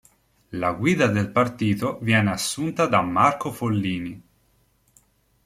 La guida del partito viene assunta da Marco Follini.